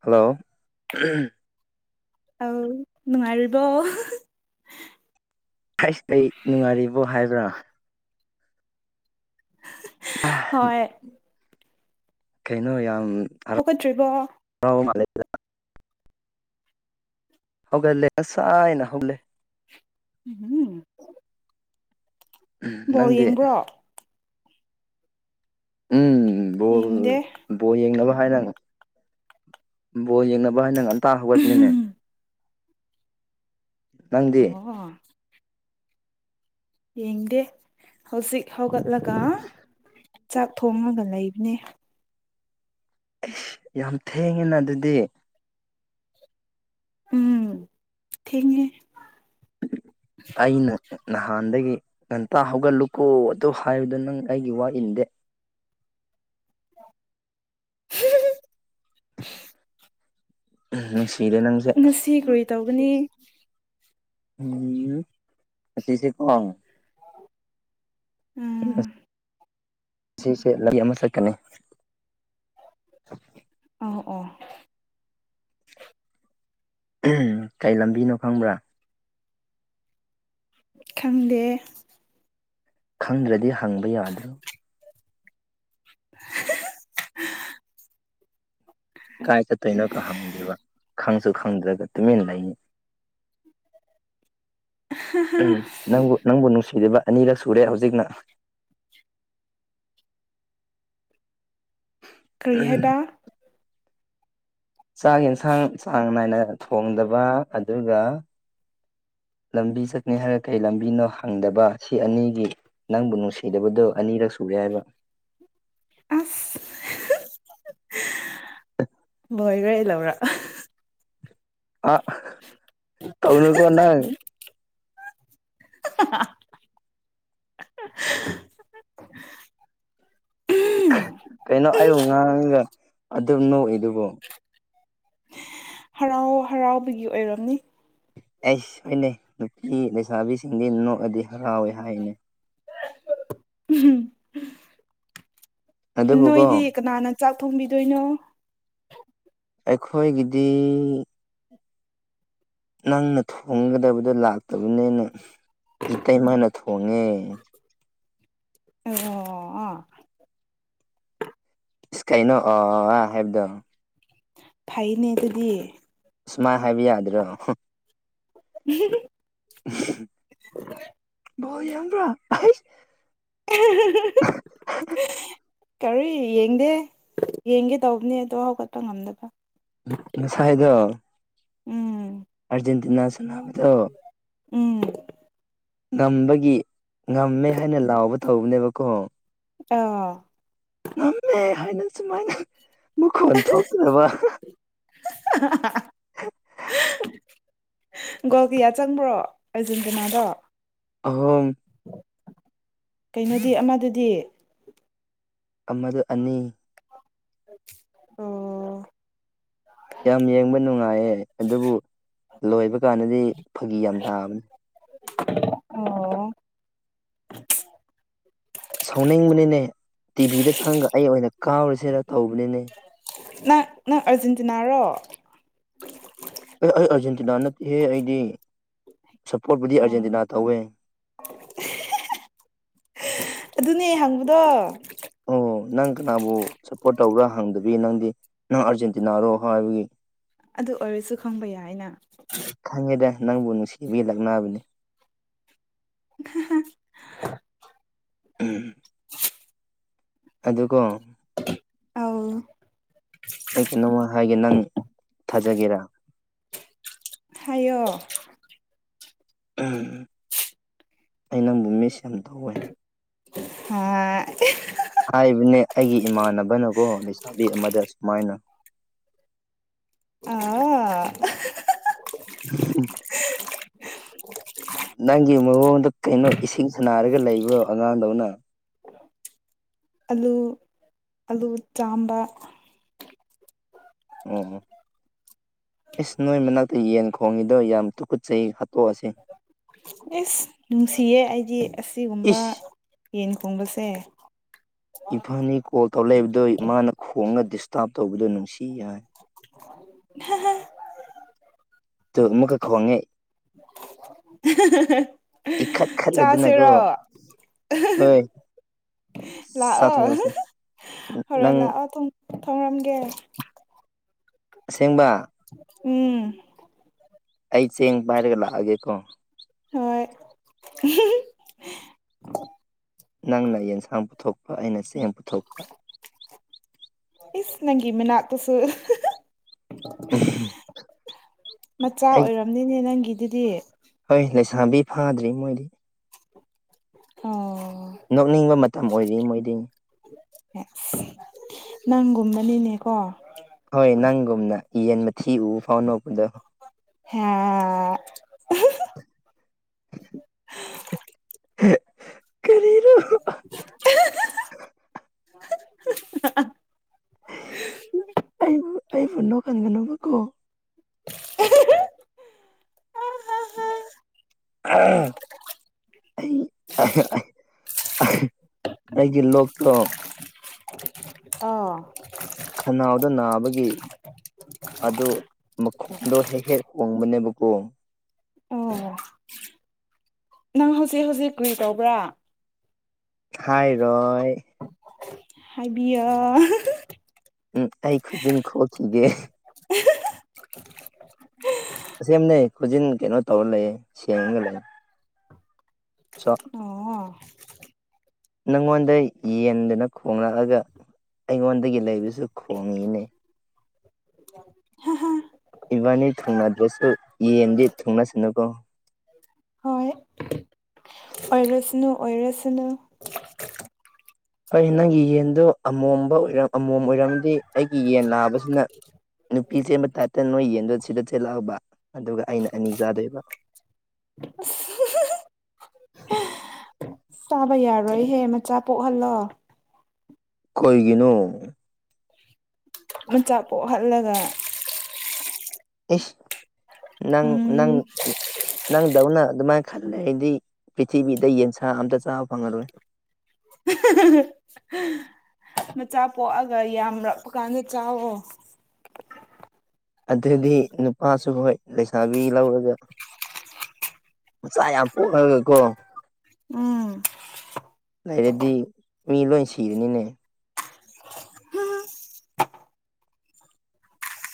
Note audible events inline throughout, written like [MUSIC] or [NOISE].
Hello ꯑꯧ ꯅꯨꯡꯉꯥꯏꯔꯤꯕꯣ ꯍꯩꯁ ꯑꯩ ꯅꯨꯡꯉꯥꯏꯔꯤꯕꯣ ꯍꯥꯏꯕ꯭ꯔꯥ ꯍꯣꯏ ꯀꯩꯅꯣ ꯌꯥꯝ ꯍꯧꯒꯠꯇ꯭ꯔꯤꯕꯣ [INAUDIBLE] ꯍꯧꯒꯠꯂꯦ ꯉꯁꯥꯏꯅ ꯍꯧꯒꯠꯂꯦ ꯎꯝ ꯎꯝ ꯕꯣꯜ ꯅꯪꯗꯤ ꯌꯦꯡꯕ꯭ꯔꯣ ꯎꯝ ꯎꯝ ꯕꯣꯜ ꯌꯦꯡꯗꯦ ꯕꯣꯜ ꯌꯦꯡꯅꯕ ꯍꯥꯏꯅ ꯕꯣꯜ ꯌꯦꯡꯅꯕ ꯍꯥꯏꯅ ꯉꯟꯇꯥ ꯍꯧꯒꯠꯄꯅꯤꯅꯦ ꯅꯪꯗꯤ ꯑꯣ ꯌꯦꯡꯗꯦ ꯍꯧꯖꯤꯛ ꯍꯧꯒꯠꯂꯒ ꯆꯥꯛ ꯊꯣꯡꯉꯒ ꯂꯩꯕꯅꯦ ꯁ ꯌꯥꯝ ꯊꯦꯡꯉꯦꯅ ꯑꯗꯨꯗꯤ ꯎꯝ ꯊꯦꯡꯉꯦ [UNINTELLIGIBLE] ꯑꯩꯅ ꯅꯍꯥꯟꯗꯒꯤ ꯉꯟꯇꯥ ꯍꯧꯒꯠꯂꯨꯀꯣ ꯑꯗꯨꯝ ꯍꯥꯏꯕꯗ ꯅꯪ ꯑꯩꯒꯤ ꯋꯥ ꯏꯟꯗꯦ ꯅꯨꯡꯁꯤꯔꯦ ꯅꯪꯁꯦ ꯉꯁꯤ ꯀꯔꯤ ꯇꯧꯒꯅꯤ ꯎꯝ ꯑꯁꯤꯁꯦ ꯀꯣ ꯎꯝ ꯁꯤꯁꯦ ꯂꯩ ꯑꯃ ꯆꯠꯀꯅꯤ ꯑꯣ ꯑꯣ ꯀꯩ ꯂꯝꯕꯤꯅꯣ ꯈꯪꯕ꯭ꯔꯥ ꯈꯪꯗꯦ ꯈꯪꯗ꯭ꯔꯗꯤ ꯍꯪꯕ ꯌꯥꯗ꯭꯭ꯔꯣ [INAUDIBLE] [UNINTELLIGIBLE] ꯀꯥꯏ ꯆꯠꯇꯣꯏꯅꯣ ꯀ ꯍꯪꯗꯦꯕ ꯈꯪꯁꯨ ꯈꯪꯗ꯭ꯔꯒ ꯇꯨꯃꯤꯟꯅ ꯂꯩ ꯎꯝ ꯅꯪꯕꯨ ꯅꯪꯕꯨ ꯅꯨꯡꯁꯤꯔꯤꯕ ꯑꯅꯤꯔꯛ ꯁꯨꯔꯦ ꯍꯧꯖꯤꯛꯅ ꯀꯔꯤ ꯍꯥꯏꯕ ꯆꯥꯛ ꯌꯦꯟꯁꯥꯡ ꯆꯥꯡ ꯅꯥꯏꯅ ꯊꯣꯡꯗꯕ ꯑꯗꯨꯒ ꯂꯝꯕꯤ ꯆꯠꯅꯤ ꯍꯥꯏꯔ ꯀꯩ ꯂꯝꯕꯤꯅꯣ ꯍꯪꯗꯕ ꯁꯤ ꯑꯅꯤꯒꯤ ꯅꯪꯕꯨ ꯅꯨꯡꯁꯤꯗꯕꯗꯣ ꯑꯅꯤꯔꯛ ꯁꯨꯔꯦ ꯍꯥꯏꯕ ꯑꯁ ꯚꯣꯏꯔꯦ ꯂꯧꯔ ꯑ ꯇꯧꯅꯨꯀꯣ ꯅꯪ [INAUDIBLE] ꯍ [INAUDIBLE] ꯀꯩꯅꯣ ꯑꯩꯕꯨ ꯉꯥꯡꯉꯒ ꯑꯗꯨꯝ ꯅꯣꯛꯏꯗꯨꯕꯨ ꯍꯔꯥꯎ ꯍꯔꯥꯎꯕꯒꯤ ꯑꯣꯏꯔꯝꯅꯤ ꯑꯩ ꯍꯣꯏꯅꯩ ꯅꯨꯄꯤ ꯂꯩꯁꯥꯕꯤꯁꯤꯡꯗꯤ ꯅꯣꯛꯑꯗꯤ ꯍꯔꯥꯎꯋꯦ ꯍꯥꯏꯅꯦ ꯅꯣꯏꯗꯤ ꯑꯗꯨꯕꯨꯀꯣ ꯀꯅꯥꯅ ꯆꯥꯛ ꯊꯣꯡꯕꯤꯗꯣꯏꯅꯣ ꯑꯩꯈꯣꯏꯒꯤꯗꯤ ꯅꯪꯅ ꯊꯣꯡꯒꯗꯕꯗꯣ ꯂꯥꯛꯇꯕꯅꯤꯅ ꯏꯇꯩꯃꯥꯏꯅ ꯊꯣꯡꯉꯦ ꯑꯣ ꯑꯣ ꯑꯣ [UNINTELLIGIBLE] ꯀꯥꯏꯅꯣ ꯑ ꯑꯥ ꯍꯥꯏꯕꯗꯣ ꯐꯩꯅꯦ ꯑꯗꯨꯗꯤ ꯁꯨꯃꯥꯏꯅ ꯍꯥꯏꯕ ꯌꯥꯗ꯭ꯔꯣ [INAUDIBLE] ꯕꯣ ꯌꯥꯝꯡꯕ꯭ꯔꯥ [INAUDIBLE] ꯀꯔꯤ ꯌꯦꯡꯗꯦ ꯌꯦꯡꯒꯦ ꯇꯧꯕꯅꯦ ꯑꯗꯣ ꯍꯧꯒꯠꯄ ꯉꯝꯗꯕ ꯅꯁꯥꯏꯗꯣ ꯎꯝ ꯑꯔꯖꯦꯟꯇꯤꯅꯥ ꯁꯅꯕꯗꯣ ꯎꯝ ꯉꯝꯕꯒꯤ ꯉꯝꯃꯦ ꯍꯥꯏꯅ ꯂꯥꯎꯕ ꯇꯧꯕꯅꯦꯕꯀꯣ ꯑꯣ ꯉꯝꯃꯦ ꯍꯥꯏꯅ ꯁꯨꯃꯥꯏꯅ ꯃꯈꯣꯟ ꯊꯣꯛꯇꯕ [INAUDIBLE] ꯒꯣꯜ ꯀꯌꯥ ꯆꯪꯕ꯭ꯔꯣ ꯑꯔꯖꯦꯟꯇꯤꯅꯥꯗꯣ ꯑꯍꯨꯝ ꯀꯩꯅꯣꯗꯤ ꯑꯃꯗꯗꯤ ꯑꯃꯗ ꯑꯅꯤ ꯑꯣ ꯌꯥꯝ ꯌꯦꯡꯕ ꯅꯨꯡꯉꯥꯏꯌꯦ ꯑꯗꯨꯕꯨ ꯂꯣꯏꯕ ꯀꯥꯟꯗꯗꯤ ꯐꯥꯒꯤ ꯌꯥꯝ ꯇꯥꯕꯅꯤ ꯑꯣ ꯁꯥꯎꯅꯤꯡꯕꯅꯤꯅꯦ ꯇꯤꯚꯤꯗ ꯆꯪꯉꯒ ꯑꯩ ꯑꯣꯏꯅ ꯀꯥꯎꯔꯨꯁꯤꯔ ꯇꯧꯕꯅꯤꯅꯦ ꯅꯪ ꯅꯪ ꯑꯔꯖꯦꯟꯇꯤꯅꯥꯔꯣ ꯑꯦ ꯑꯩ ꯑꯥꯔꯖꯦꯟꯇꯤꯅꯥ ꯅꯠꯇꯦꯍꯦ ꯑꯩꯗꯤ ꯁꯞꯄꯣꯔꯠꯕꯨꯨꯗꯤ ꯑꯣ ꯑꯥꯔꯖꯦꯟꯇꯤꯅꯥ ꯇꯧꯋꯦ ꯑꯗꯨꯅꯦ ꯍꯪꯕꯗꯣ ꯑꯣ ꯅꯪ ꯀꯅꯥꯕꯨ ꯁꯞꯄꯣꯔꯠ ꯇꯧꯕ꯭ꯔꯥ ꯍꯪꯗꯕꯤ ꯅꯪꯗꯤ ꯅꯪ ꯑꯥꯔꯖꯦꯟꯇꯤꯅꯥꯔꯣ ꯍꯥꯏꯕꯒꯤ ꯑꯗꯨ ꯑꯣꯏꯔꯁꯨ ꯈꯪꯕ ꯌꯥꯏꯅ ꯈꯪꯉꯦꯗ ꯅꯪꯕꯨ ꯅꯨꯡꯁꯤꯕꯤꯂꯛꯅꯕꯅꯤ [INAUDIBLE] ꯎꯝ ꯑꯗꯨꯒ ꯑꯥꯎ ꯑꯩ ꯀꯩꯅꯣꯃ ꯍꯥꯏꯒꯦ ꯅꯪ ꯊꯥꯖꯒꯦꯔꯥ ꯍꯥꯏꯌꯣ ꯑ ꯅꯪꯕꯨ ꯃꯤꯁ ꯌꯥꯝ ꯇꯧꯋꯦ ꯑ ꯍꯥꯏꯕꯅꯦ ꯑꯩꯒꯤ ꯏꯃꯥꯟꯅꯕꯅꯀꯣ ꯂꯩꯁꯥꯕꯤ ꯑꯃꯗ ꯁꯨꯃꯥꯏꯅ ꯎ ꯎ ꯅꯪꯒꯤ ꯃꯑꯣꯣꯟꯗ ꯀꯩꯅꯣ ꯏꯁꯤꯡ ꯁꯅꯥꯔꯒ ꯂꯩꯕ꯭ꯔꯣ ꯑꯉꯥꯡꯗꯧꯅ ꯑꯂꯨ ꯑꯂꯨ ꯆꯥꯝꯕ ꯑꯣ ꯏꯁ ꯅꯣꯏ ꯃꯅꯥꯛꯇ ꯌꯦꯟ ꯈꯣꯡꯉꯤꯗꯣ ꯌꯥꯝ ꯇꯨꯀꯨꯠ ꯆꯍꯤ ꯍꯥꯠꯇꯣꯛꯑꯁꯤ꯫ ꯏꯁꯁ ꯅꯨꯡꯁꯤꯌꯦ ꯑꯩꯗꯤ ꯑꯁꯤꯒꯨꯝꯕ ꯏꯁ ꯌꯦꯟ ꯈꯨꯝꯕꯁꯦ ꯏꯐꯅꯤ ꯀꯣꯜ ꯇꯧꯔꯛꯏꯕꯗꯨ ꯃꯥꯅ ꯈꯣꯡꯅ ꯗꯤꯁꯇꯥꯔꯕ ꯇꯧꯕꯗꯨꯣ ꯅꯨꯡꯁꯤ ꯍꯥꯏ [UNINTELLIGIBLE] ꯇꯨ ꯑꯃꯨꯛꯀꯥ ꯈꯣꯡ ꯑꯥ ꯏꯈꯠ ꯈꯠꯂꯗꯅꯀꯣ ꯆꯥꯁꯤꯔꯣ ꯍꯣꯏ꯫ ꯂꯥꯛꯑꯣ ꯆꯥꯊꯣꯛꯑꯁꯦ ꯍꯣꯔꯦꯟ ꯅꯪ ꯂꯥꯛꯑꯣ ꯊꯣꯡꯔꯝꯒꯦ꯫ ꯑꯁꯦꯡꯕ ꯎꯝ ꯑꯩ ꯆꯦꯡ ꯄꯥꯏꯔꯒ ꯂꯥꯛꯑꯒꯦꯀꯣ ꯍꯣꯏ ꯅꯪꯅ ꯌꯦꯟꯁꯥꯡ ꯄꯨꯊꯣꯛꯄ ꯑꯩꯅ ꯆꯦꯡ ꯄꯨꯊꯣꯛꯄ ꯏꯁ ꯅꯪꯒꯤ ꯃꯑꯅꯛ ꯇꯁꯨ ꯃꯆꯥ ꯑꯩ ꯑꯣꯏꯔꯝꯅꯤꯅꯦ ꯅꯪꯒꯤꯗꯨꯗꯤ ꯍꯣꯏ ꯂꯩꯁꯥꯕꯤ ꯐꯥꯗ꯭ꯔꯤ ꯃꯣꯏꯗꯤ ꯍꯣ ꯅꯣꯛꯅꯤꯡꯕ ꯃꯇꯝ ꯑꯣꯏꯔꯤ ꯃꯣꯏꯗꯤ꯫ ꯑꯦ ꯅꯪꯒꯨꯝꯕꯅꯤꯅꯦꯀꯣ ꯍꯣꯏ ꯅꯪꯒꯨꯝꯅ ꯌꯦꯟ ꯃ ꯊꯤ ꯎ ꯐꯥꯎꯅꯣꯛꯄꯗꯣ ꯍꯥ ꯀꯔꯤꯔ [UNINTELLIGIBLE] ꯑꯩꯕꯨ ꯑꯩꯕꯨꯣꯟ ꯀꯥꯟꯒꯅꯕꯀꯣ ꯑꯩ ꯑꯩꯒꯤ ꯂꯣꯛꯇꯣ ꯑꯣ ꯈꯅꯥꯎꯗ ꯅꯥꯕꯒꯤ ꯑꯗꯨ ꯃꯈꯣꯟꯗꯣ ꯍꯦꯛ ꯍꯦꯛ ꯍꯣꯡꯕꯅꯦꯕꯀꯣ ꯑꯣ ꯅꯪ ꯍꯧꯖꯤꯛ ꯍꯧꯖꯤꯛ ꯀꯨꯏ ꯇꯧꯕ꯭ꯔꯥ ꯈꯥꯏꯔꯣꯏ ꯍꯥꯏꯕꯤꯌ ꯎꯝ ꯑꯩ ꯈꯨꯖꯤꯟ ꯈꯣꯈꯤꯒꯦ [INAUDIBLE] ꯑꯁꯅꯩ ꯈꯨꯖꯤꯟ ꯀꯩꯅꯣ ꯇꯧꯔ ꯂꯩꯌꯦ ꯁꯦꯡꯉꯒ ꯂꯩꯔꯦ꯫ ꯆꯥ ꯑꯣ ꯅꯪꯉꯣꯟꯗ ꯌꯦꯟꯗꯨꯅ ꯈꯣꯡꯂꯛꯑꯒ ꯑꯩꯉꯣꯟꯗꯒꯤ ꯂꯩꯕꯁꯨ ꯈꯣꯡꯉꯤꯅꯦ꯫ ꯏꯕꯥꯅꯤ ꯊꯨꯡꯅꯗ꯭ꯔꯁꯨ ꯌꯦꯟꯗꯤ ꯊꯨꯡꯅꯁꯅꯨꯀꯣ ꯍꯣꯏ ꯑꯣꯏꯔꯁꯅꯨ ꯑꯣꯏꯔꯁꯅꯨ ꯐꯩ ꯅꯪꯒꯤ ꯌꯦꯟꯗꯨꯣ ꯑꯃꯣꯝꯕ ꯑꯣꯏꯔꯝ ꯑꯃꯣꯝ ꯑꯣꯏꯔꯝꯗꯤ ꯑꯩꯒꯤ ꯌꯦꯟ ꯂꯥꯛꯕꯁꯤꯅ ꯅꯨꯄꯤ ꯆꯦꯟꯕ ꯇꯥꯏꯞꯇ ꯅꯣꯏ ꯌꯦꯟꯗ ꯁꯤꯗ ꯊꯤꯜꯂꯛꯑꯕ ꯑꯗꯨꯒ ꯑꯩꯅ ꯑꯅꯤ ꯆꯥꯗꯣꯏꯕ [UNINTELLIGIBLE] ꯆꯥꯕ ꯌꯥꯔꯣꯏꯍꯦ ꯃꯆꯥ ꯄꯣꯛꯍꯜꯂꯣ ꯀꯒꯤꯅꯨ ꯃꯆꯥꯥꯛ ꯄꯣꯛꯍꯜꯂꯒ ꯏꯁ ꯅꯪ ꯅꯪ ꯎꯝ ꯅꯪꯗꯧꯅ ꯑꯗꯨꯃꯥꯏꯅ ꯈꯜꯂꯦ ꯂꯩꯗꯤ ꯄꯤꯔꯤꯊꯤꯕꯤꯗ ꯌꯦꯟꯁꯥ ꯑꯝꯇ ꯆꯥꯕ ꯐꯪꯉꯔꯣꯏ꯫ [UNINTELLIGIBLE] ꯎꯝ꯫ ꯃꯆꯥ ꯄꯣꯛꯑꯒ ꯌꯥꯝꯔꯛꯄ ꯀꯥꯟꯗ ꯆꯋꯣ꯫ ꯑꯗꯨꯗꯤ ꯅꯨꯄꯥꯁꯨ ꯍꯣꯏ ꯂꯩꯁꯥꯕꯤ ꯂꯧꯔꯒ꯫ ꯃꯆꯥ ꯌꯥꯝ ꯄꯣꯛꯂꯒꯀꯣ꯫ ꯎꯝ ꯂꯩꯔꯗꯤ ꯃꯤ ꯂꯣꯏ ꯁꯤꯔꯅꯤꯅꯦ꯫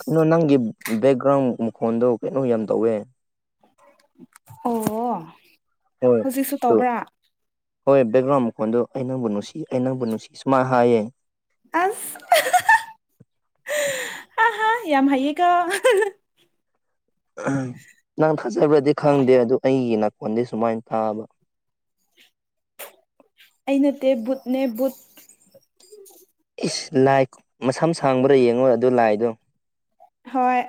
ꯀꯩꯅꯣ ꯅꯪꯒꯤ ꯕꯦꯛꯒ꯭ꯔꯥꯎꯟ ꯃꯈꯣꯟꯗꯣ ꯀꯩꯅꯣ ꯌꯥꯝ ꯇꯧꯋꯦ꯫ ꯑꯣ꯫ ꯍꯣꯏ ꯍꯧꯖꯤꯛꯁꯨ ꯇꯣ꯫ ꯇꯧꯕ꯭ꯔꯥ ꯍꯣꯏ ꯕꯦꯛꯒ꯭ꯔꯥꯎꯟ ꯃꯈꯣꯟꯗꯣ ꯑꯩ ꯅꯪꯕꯨ ꯅꯨꯡꯁꯤ ꯑꯩ ꯅꯪꯕꯨ ꯅꯨꯡꯁꯤ ꯁꯨꯃꯥꯏꯅ ꯍꯥꯏꯌꯦ꯫ ꯑꯁ꯫ ꯑꯍꯥ ꯌꯥꯝ ꯍꯥꯏꯩꯌꯦ ꯀꯣ꯫ ꯅꯪ ꯊꯥꯖꯕ꯭ꯔꯗꯤ ꯈꯪꯗꯦ ꯑꯗꯨ ꯑꯩꯒꯤ ꯅꯥꯀꯣꯟꯗꯤ ꯁꯨꯃꯥꯏꯅ ꯇꯥꯕ꯫ ꯑꯩ ꯅꯠꯇꯦ ꯕꯨꯠꯅꯦ ꯕꯨꯠ꯫ ꯏꯁ ꯂꯥꯏ ꯃꯁꯝ ꯁꯥꯡꯕ꯭ꯔꯥ ꯌꯦꯡꯉꯣ ꯑꯗꯨ ꯂꯥꯏꯗꯣ꯫ ꯍꯣꯏ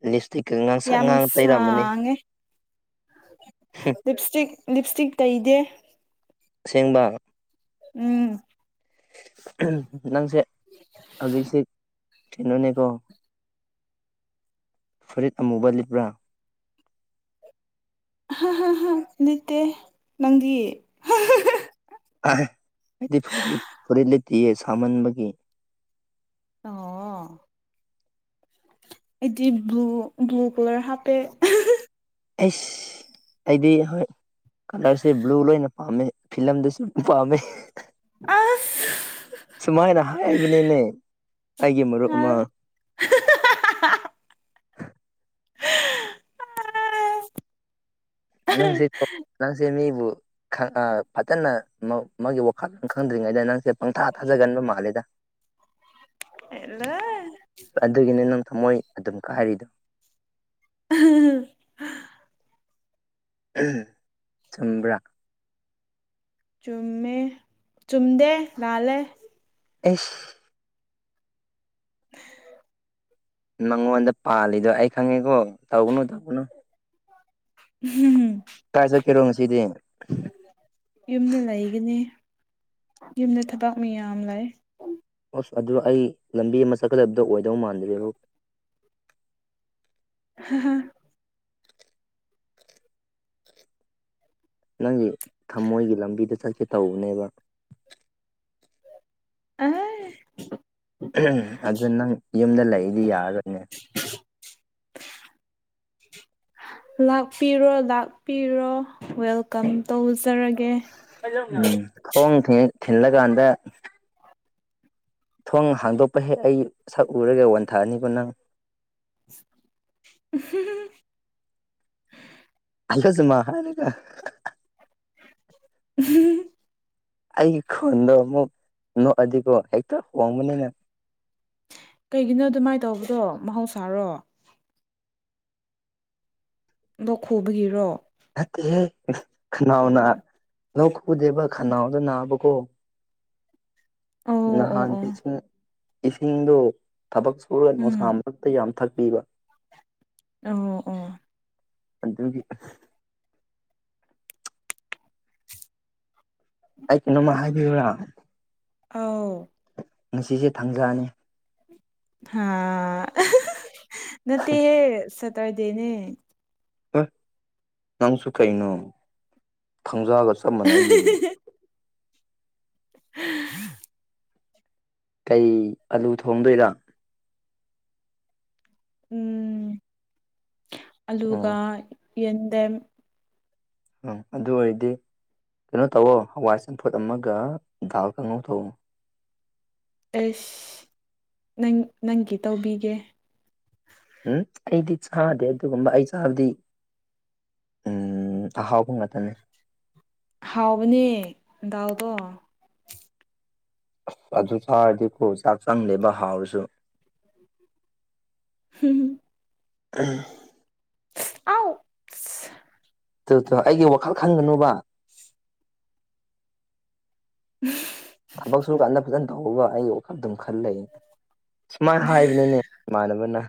ꯂꯤꯞꯁꯇꯤꯛꯀ ꯉꯥꯡꯁꯪ ꯌꯥꯝ ꯉꯥꯡ ꯇꯩꯔꯝꯃꯅꯤ ꯁꯥꯡꯉꯦ꯫ ꯂꯤꯞꯏꯁꯇꯤꯛ ꯂꯤꯞꯏꯁꯇꯤꯛ ꯇꯩꯗꯦ꯫ ꯑꯁꯦꯡꯕ꯫ ꯎꯝ꯫ ꯅꯪꯁꯦ ꯍꯧꯖꯤꯛꯁꯤ꯫ ꯀꯩꯅꯣꯅꯦꯀꯣ ꯐꯨꯔꯤꯠ ꯑꯃꯨꯕ ꯂꯤꯠꯄ꯭ꯔꯥ꯫ ꯍꯥ ꯍ ꯍ ꯂꯤꯠꯇꯦ ꯅꯪꯗꯤ ꯍꯥ ꯍ ꯍꯥ꯫ ꯑꯥꯏ ꯑꯩꯗꯤ ꯐꯨꯔꯤꯠ ꯂꯤꯠ ꯐꯨꯔꯤꯠ ꯂꯤꯠꯇꯤꯌꯦ ꯁꯥꯃꯟꯕꯒꯤ꯫ ꯑꯣ꯫ ꯑꯥ꯫ ꯑꯩꯗꯤ ꯕ꯭ꯂꯨ ꯕ꯭ꯂꯨ ꯀꯂꯔ ꯍꯥꯞꯄꯦ꯫ ꯑꯩꯁ ꯑꯩꯗꯤ ꯍꯣꯏ꯫ ꯀꯂꯔꯁꯦ ꯕ꯭ꯂꯨ ꯂꯣꯏꯅ ꯄꯥꯝꯃꯦ ꯐꯤꯂꯝꯗꯁꯨ ꯄꯥꯝꯃꯦ꯫ ꯑꯁ ꯁꯨꯃꯥꯏꯅ ꯍꯥꯏꯕꯅꯤꯅꯦ ꯑꯩꯒꯤ ꯃꯔꯨꯞ ꯑꯃ꯫ ꯅꯪꯏꯁꯤ ꯅꯪꯁꯤ ꯃꯤꯕꯨ꯫ ꯈꯪ ꯑꯥ ꯐꯖꯅ ꯃꯥ ꯃꯥꯒꯤ ꯋꯥꯈꯜ ꯈꯪꯗ꯭ꯔꯤꯉꯩꯗ ꯅꯪꯁꯦ ꯄꯪꯊꯥ ꯊꯥꯖꯒꯟꯕ ꯃꯥꯜꯂꯤꯗ꯫ [INAUDIBLE] ꯑꯗꯨꯒꯤꯅꯤ ꯅꯪ ꯊꯝꯃꯣꯏ ꯑꯗꯨꯝ ꯀꯥꯏꯔꯤꯗꯣ꯫ ꯆꯨꯝꯕ꯭ꯔꯥ꯫ ꯆꯨꯝꯃꯦ ꯆꯨꯝꯗꯦ ꯂꯥꯜꯂꯦ꯫ ꯑꯦꯁ꯫ ꯅꯉꯣꯟꯗ ꯄꯥꯜꯂꯤꯗꯣ ꯑꯩ ꯈꯪꯉꯦꯀꯣ ꯇꯧꯒꯅꯨ ꯇꯧꯒꯅꯨ꯫ [INAUDIBLE] ꯀꯥꯏ ꯆꯠꯀꯦꯔꯣ ꯉꯁꯤꯗꯤ꯫ ꯌꯨꯝꯗ ꯂꯩꯒꯅꯤ ꯌꯨꯝꯗ ꯊꯕꯛ ꯃꯌꯥꯝ ꯂꯩ꯫ ꯑꯁ ꯑꯗꯨ ꯑꯩ ꯂꯝꯕꯤ ꯑꯃ ꯆꯠꯀꯗꯕꯗꯣ ꯑꯣꯏꯗꯧ ꯃꯥꯟꯗ꯭ꯔꯦꯕꯣ꯫ ꯍꯥ ꯍꯥ꯫ ꯅꯪꯒꯤ ꯊꯃꯣꯏꯒꯤ ꯂꯝꯕꯤꯗ ꯆꯠꯀꯦ ꯇꯧꯕꯅꯦꯕ꯫ ꯑꯥꯏ꯫ ꯑꯗꯨ ꯅꯪ ꯌꯨꯝꯗ ꯂꯩꯔꯗꯤ ꯌꯥꯔꯣꯏꯅꯦ꯫ [INAUDIBLE] ꯂꯥꯛꯄꯤꯔꯣ ꯂꯥꯛꯄꯤꯔꯣ ꯋꯦꯜꯀꯝ ꯇꯧꯖꯔꯒꯦ꯫ ꯎꯝ ꯈꯣꯡ ꯍꯦꯛ ꯊꯤꯜꯂꯀꯥꯟꯗ꯫ ꯊꯣꯡ ꯍꯥꯡꯗꯣꯛꯄ ꯍꯦꯛ ꯑꯩ ꯁꯛꯎꯔꯒ ꯋꯥꯟꯊꯛꯅꯤꯀꯣ ꯅꯪ꯫ [INAUDIBLE] ꯍꯥꯂꯣꯁꯨꯃ ꯍꯥꯏꯔꯒ ꯎꯝ ꯑꯩꯒꯤ ꯈꯣꯟꯗꯣ ꯑꯃꯨꯛ ꯅꯣꯛꯑꯗꯤꯀꯣ ꯍꯦꯛꯇ ꯍꯣꯡꯕꯅꯤꯅꯦ ꯀꯩꯒꯤꯅꯣ ꯑꯗꯨꯃꯥꯏꯅ ꯇꯧꯕ꯭ꯔꯣ ꯃꯍꯧꯁꯥꯔꯣ ꯂꯣꯛ ꯈꯨꯕꯒꯤꯔꯣ ꯅꯠꯇꯦꯍꯦ ꯈꯅꯥꯎꯅ ꯂꯣꯛ ꯈꯨꯗꯦꯕ ꯈꯅꯥꯎꯗ ꯅꯥꯕꯀꯣ ꯑꯣ ꯑꯣ ꯅꯍꯥꯟ ꯑꯣ ꯏꯁꯤꯡ ꯏꯁꯤꯡꯗꯣ ꯊꯕꯛ ꯁꯨꯔꯒ ꯅꯨꯡꯁꯥ ꯎꯝ ꯃꯔꯛꯇ ꯌꯥꯝ ꯊꯛꯄꯤꯕ ꯑꯣ ꯑꯣ ꯑꯗꯨꯒꯤ ꯑꯩ ꯀꯩꯅꯣꯃ ꯍꯥꯏꯕꯤꯌꯨꯔꯥ ꯑꯥꯎ ꯉꯁꯤꯁꯦ ꯊꯥꯡꯖꯥꯅꯤ ꯍꯥꯥ ꯅꯠꯇꯦꯍꯦ ꯁꯦꯇꯔꯗꯦꯅꯦ ꯍꯣꯏ ꯅꯪꯁꯨ ꯀꯩꯅꯣ ꯊꯥꯡꯖꯥꯒ ꯆꯞ ꯃꯥꯟꯅꯩꯗꯨꯗꯤ ꯀꯩ ꯑꯥꯂꯨ ꯊꯣꯡꯗꯣꯏꯔꯥ ꯎꯝ ꯑꯂꯨꯒ ꯑꯣ ꯌꯦꯟꯗꯦꯝ ꯎꯝ ꯑꯗꯨ ꯑꯣꯏꯔꯗꯤ ꯀꯩꯅꯣ ꯇꯧꯋꯣ ꯍꯋꯥꯏ ꯆꯝꯐꯨꯠ ꯑꯃꯒ ꯗꯥꯜ ꯀꯥꯡꯍꯧ ꯇꯧꯑꯣ ꯑꯦꯁ ꯅꯪ ꯅꯪꯒꯤ ꯇꯧꯕꯤꯒꯦ ꯍꯨꯝ ꯑꯩꯗꯤ ꯆꯥꯗꯦ ꯑꯗꯨꯒꯨꯝꯕ ꯑꯩ ꯆꯥꯕꯗꯤ ꯎꯝ ꯑꯍꯥꯎꯕ ꯉꯥꯛꯇꯅꯦ ꯍꯥꯎꯕꯅꯦ ꯗꯥꯎꯗꯣ ꯑꯗꯨ ꯆꯥꯔꯗꯤꯀꯣ ꯆꯥꯛ ꯆꯪꯗꯦꯕ ꯍꯥꯎꯔꯁꯨ [INAUDIBLE] ꯍꯝ ꯍꯝ [INAUDIBLE] ꯑꯥꯎ ꯑꯗꯨꯗꯣ ꯑꯩꯒꯤ ꯋꯥꯈꯜ ꯈꯟꯒꯅꯨꯕ ꯊꯕꯛ ꯁꯨꯀꯥꯟꯅ ꯐꯖꯅ ꯊꯣ ꯍꯧꯕꯒ ꯑꯩꯒꯤ ꯋꯥꯈꯜ ꯑꯗꯨꯝ ꯈꯜ ꯂꯩꯌꯦꯅꯦ ꯁꯨꯃꯥꯏꯅ ꯍꯥꯏꯕꯅꯤꯅꯦ ꯏꯃꯥꯟꯅꯕꯅ